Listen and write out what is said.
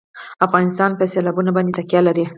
افغانستان په سیلابونه باندې تکیه لري.